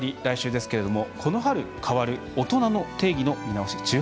来週ですけれどもこの春、変わる大人の定義の見直し。